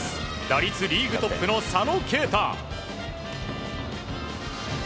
打率リーグトップの佐野恵太。